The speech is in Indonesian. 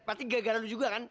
pasti gagal dulu juga kan